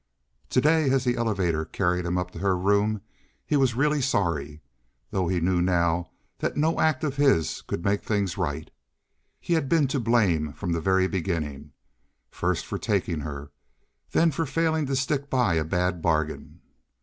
To day as the elevator carried him up to her room he was really sorry, though he knew now that no act of his could make things right. He had been to blame from the very beginning, first for taking her, then for failing to stick by a bad bargain.